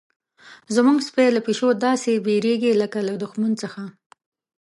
زموږ سپی له پیشو څخه داسې بیریږي لکه له دښمن څخه.